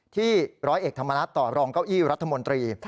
ร้อยเอกธรรมนัฐต่อรองเก้าอี้รัฐมนตรี